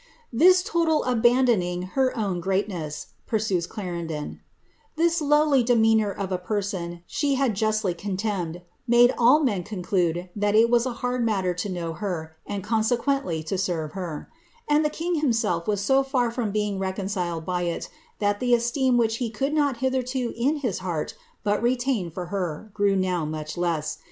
tal abandoning her own greatness,^ pursues Clarendon, ^ this anour to a person she had justly contemned, made all men lat it was a hard matter to know her, and consequently to And the king himself was so far from being reconciled by it, eem which he could not hitherto in his heart but retain for ,ow much less.